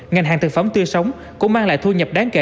ngành hàng thực phẩm tươi sống cũng mang lại thu nhập đáng kể